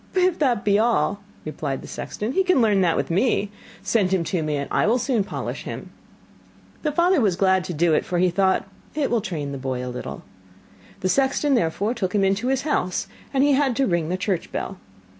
'If that be all,' replied the sexton, 'he can learn that with me. Send him to me, and I will soon polish him.' The father was glad to do it, for he thought: 'It will train the boy a little.' The sexton therefore took him into his house, and he had to ring the church bell.